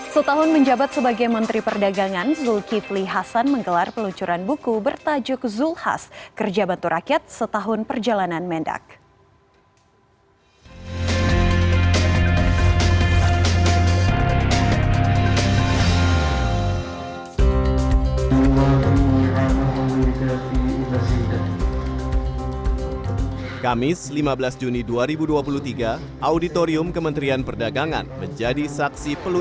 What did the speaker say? setahun menjabat sebagai menteri perdagangan zulkifli hasan menggelar peluncuran buku bertajuk zulhas kerja bantu rakyat setahun perjalanan mendak